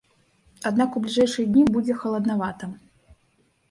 Аднак у бліжэйшыя дні будзе халаднавата.